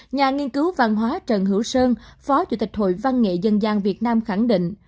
nhà nghiên cứu văn hóa trần hữu sơn phó chủ tịch hội văn nghệ dân gian việt nam khẳng định